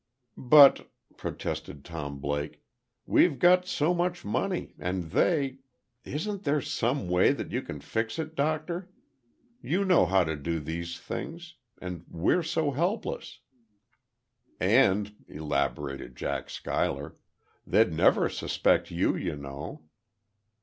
"But," protested Tom Blake, "we've got so much money, and they Isn't there some way that you can fix it, doctor? You know how to do these things; and we're so helpless." "And," elaborated Jack Schuyler, "they'd never suspect you, you know."